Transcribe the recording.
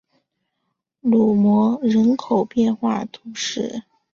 卢莫人口变化图示